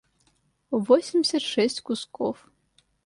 восемьдесят шесть кусков